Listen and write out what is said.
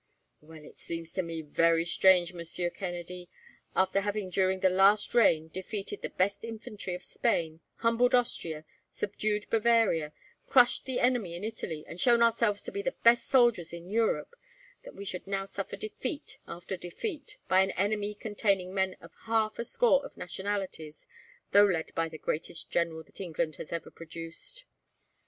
"Well, it seems to me very strange, Monsieur Kennedy, after having during the last reign defeated the best infantry of Spain, humbled Austria, subdued Bavaria, crushed the enemy in Italy, and shown ourselves to be the best soldiers in Europe; that we should now suffer defeat after defeat, by an army containing men of half a score of nationalities, though led by the greatest general that England has ever produced."